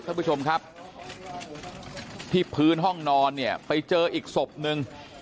ท่านผู้ชมครับที่พื้นห้องนอนเนี่ยไปเจออีกศพนึง